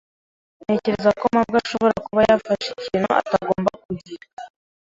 Ntekereza ko mabwa ashobora kuba yafashe ikintu atagomba kugira.